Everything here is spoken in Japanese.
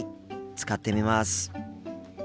使ってみます。